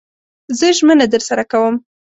زه ژمنه درسره کوم